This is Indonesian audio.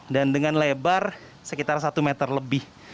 dan dengan lebar sekitar satu meter lebih